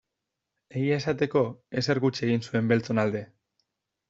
Egia esateko, ezer gutxi egin zuen beltzon alde.